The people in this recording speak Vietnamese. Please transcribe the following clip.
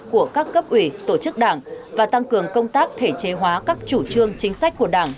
của các cấp ủy tổ chức đảng và tăng cường công tác thể chế hóa các chủ trương chính sách của đảng